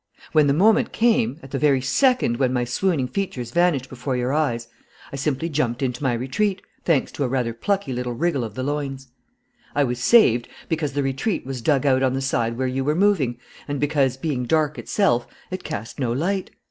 When the moment came, at the very second when my swooning features vanished before your eyes, I simply jumped into my retreat, thanks to a rather plucky little wriggle of the loins. "I was saved, because the retreat was dug out on the side where you were moving and because, being dark itself, it cast no light.